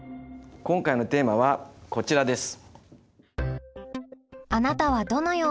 今回のテーマはこちらです！